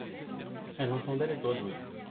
Elle entendait les grenouilles.